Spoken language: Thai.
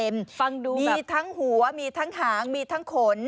ฟังดูมีทั้งหัวมีทั้งหางมีทั้งขน